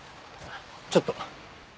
ちょっと。